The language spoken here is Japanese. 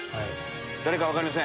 誰か分かりません。